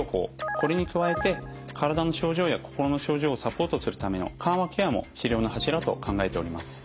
これに加えて体の症状や心の症状をサポートするための緩和ケアも治療の柱と考えております。